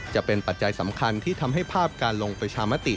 ปัจจัยสำคัญที่ทำให้ภาพการลงประชามติ